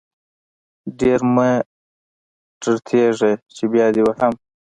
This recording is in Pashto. ډير مه ټرتيږه چې بيا دې وهم.